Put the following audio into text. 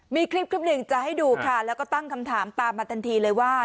มีคลิปหนึ่งจะให้ดูค่ะแล้วก็ตั้งคำถามตามมาทันทีเลยว่า